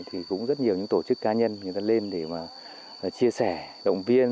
thì cũng rất nhiều những tổ chức cá nhân người ta lên để mà chia sẻ động viên